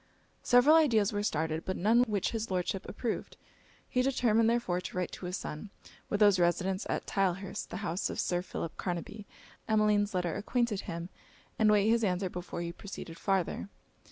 Several ideas were started, but none which his Lordship approved. He determined therefore to write to his son; with whose residence at Tylehurst, the house of Sir Philip Carnaby, Emmeline's letter acquainted him; and wait his answer before he proceeded farther.